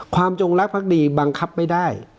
ความจงลักษณ์พักดีบังคับไม่ได้